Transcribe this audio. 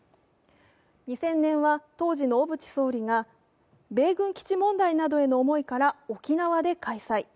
２０００年は当時の小渕総理が、米軍基地問題などへの思いから沖縄で開催。